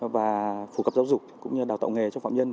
và phổ cập giáo dục cũng như đào tạo nghề cho phạm nhân